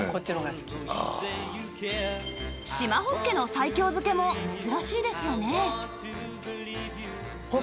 縞ホッケの西京漬けも珍しいですよね